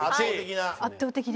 圧倒的な。